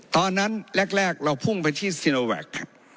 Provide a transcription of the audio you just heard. ตอนนั้นแรกเราพุ่งไปที่ซินโอแวค